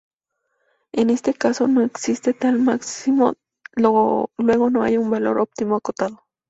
En este caso, no existe tal máximo, luego no hay un valor óptimo acotado.